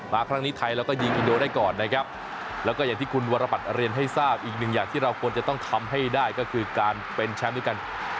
ครั้งนี้ไทยเราก็ยิงอินโดได้ก่อนนะครับแล้วก็อย่างที่คุณวรบัตรเรียนให้ทราบอีกหนึ่งอย่างที่เราควรจะต้องทำให้ได้ก็คือการเป็นแชมป์ด้วยกัน